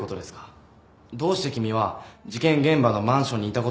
どうして君は事件現場のマンションにいたことを黙ってたの？